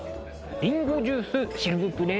りんごジュースシルブプレ。